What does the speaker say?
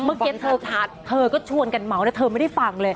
เมื่อกี้เธอถัดเธอก็ชวนกันเหมานะเธอไม่ได้ฟังเลย